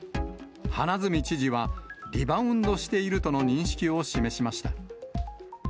花角知事は、リバウンドしているとの認識を示しました。